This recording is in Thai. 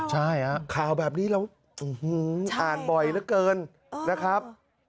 ใช่ข่าวแบบนี้เราอ่านบ่อยเหลือเกินนะครับ